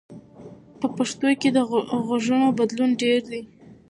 په پښتو کې د غږونو بدلون ډېر دی.